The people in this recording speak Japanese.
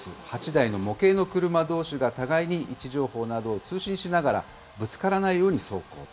８台の模型の車どうしが互いに位置情報などを通信しながら、ぶつからないように走行。